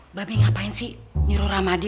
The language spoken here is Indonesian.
mbak bi ngapain sih nyuruh ramadi